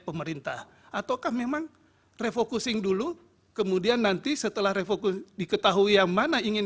pemerintah ataukah memang refocusing dulu kemudian nanti setelah refocusi diketahui yang mana ingin